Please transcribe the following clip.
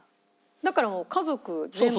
だからもう家族全部で。